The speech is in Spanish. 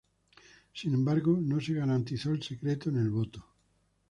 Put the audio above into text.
Sin embargo no se garantizó el secreto en el voto.